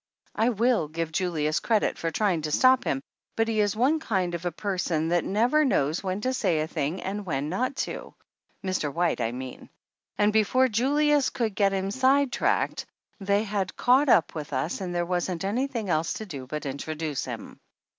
I will give Julius credit for trying to stop him, but he is one of the kind of persons that never knows when to say a thing and when not to, Mr. White, I mean. And before Julius could get him side tracked they had caught up with us and there wasn't anything else to do but introduce him.